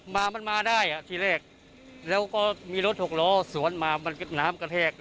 มามันมาได้อ่ะที่แรกแล้วก็มีรถหกล้อสวนมามันก็น้ำกระแทก